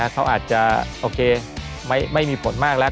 เขาอาจจะโอเคไม่มีผลมากแล้ว